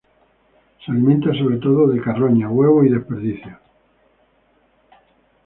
Se alimenta sobre todo de carroña, huevos y desperdicios.